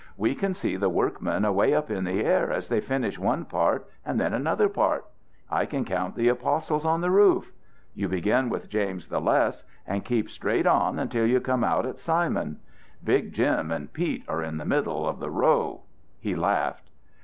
We can see the workmen away up in the air as they finish one part and then another part. I can count the Apostles on the roof. You begin with James the Less and keep straight on around until you come out at Simon. Big Jim and Pete are in the middle of the row." He laughed.